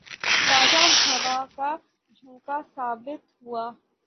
تازہ ہوا کا جھونکا ثابت ہوا